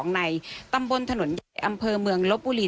ในตำบลถนนใหญ่อำเภอเมืองลบบุรี